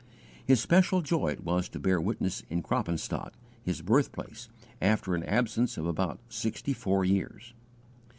His special joy it was to bear witness in Kroppenstadt, his birthplace, after an absence of about sixty four years.